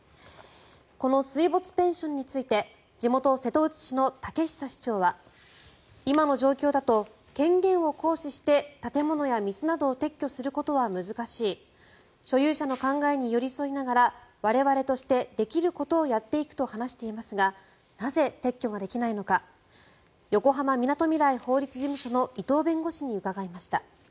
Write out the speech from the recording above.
この水没ペンションについて地元・瀬戸内市の武久市長は今の状況だと権限を行使して建物や水などを撤去することは難しい所有者の考えに寄り添いながら我々としてできることをやっていくと話していますがなぜ、撤去ができないのか横浜みなとみらい法律事務所の伊藤弁護士に伺いました。